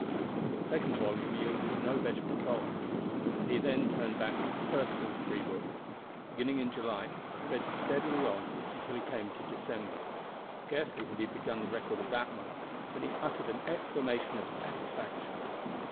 The second volume yielded no better result, and he then turned back to the first of the three books. Beginning in July, he read steadily on until he came to December. Scarcely had he begun the record of that month than he uttered an exclamation of satisfaction.